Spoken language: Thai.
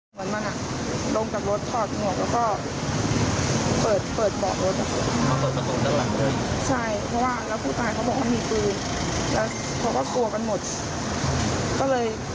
เขาก็เปิดแคปได้แล้วเขาก็แพงไม่ยังเลย